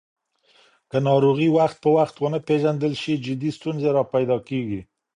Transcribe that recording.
که ناروغي وخت په وخت ونه پیژندل شي، جدي ستونزې راپیدا کېږي.